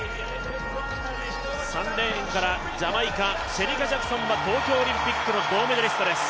３レーンから、ジャマイカ、シェリカ・ジャクソンは東京オリンピックの銀メダリストです。